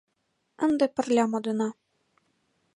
Ынде пырля модына.